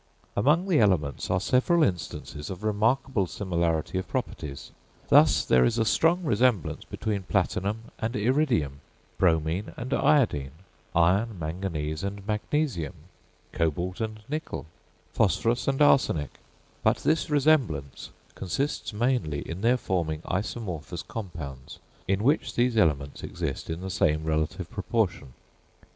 Among the elements are several instances of remarkable similarity of properties. Thus there is a strong resemblance between platinum and iridium; bromine and iodine; iron, manganese, and magnesium; cobalt and nickel; phosphorus and arsenic; but this resemblance consists mainly in their forming isomorphous compounds in which these elements exist in the same relative proportion.